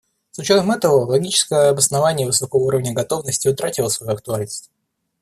С учетом этого логическое обоснование высокого уровня готовности утратило свою актуальность.